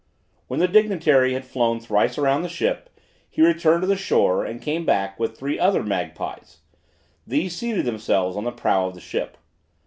When this dignitary had flown thrice around the ship, he returned to the shore and came back with three other magpies: these seated themselves on the prow of the ship.